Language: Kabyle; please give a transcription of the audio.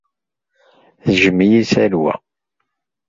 Tejjem-iyi Salwa.